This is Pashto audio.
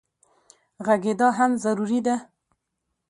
غږېدا هم ضروري ده.